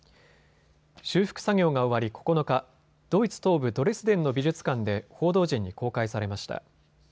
修復作業が終わり、９日、ドイツ東部ドレスデンの美術館で報道陣に公開されました。